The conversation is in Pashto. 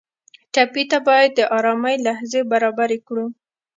ټپي ته باید د ارامۍ لحظې برابرې کړو.